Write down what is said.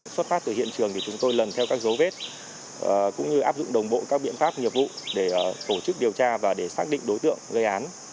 xuất phát từ hiện trường thì chúng tôi lần theo các dấu vết cũng như áp dụng đồng bộ các biện pháp nghiệp vụ để tổ chức điều tra và để xác định đối tượng gây án